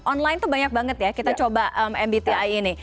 online tuh banyak banget ya kita coba mbti ini